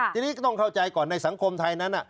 ทีนี้ก็ต้องเข้าใจก่อนในสังคมไทยนั้น